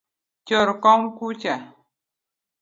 Chor kom kucha